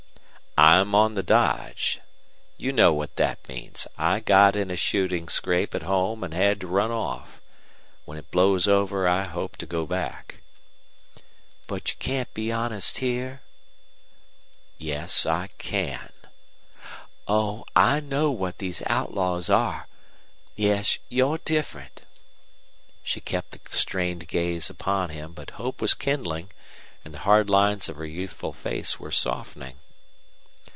"I'm on the dodge. You know what that means. I got in a shooting scrape at home and had to run off. When it blows over I hope to go back." "But you can't be honest here?" "Yes, I can." "Oh, I know what these outlaws are. Yes, you're different." She kept the strained gaze upon him, but hope was kindling, and the hard lines of her youthful face were softening.